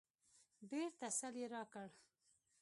ډېر تسل يې راکړ.